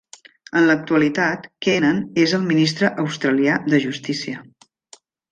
En l'actualitat, Keenan és el ministre australià de Justícia.